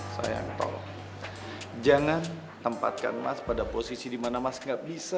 sayang tolong jangan tempatkan mas pada posisi di mana mas gak bisa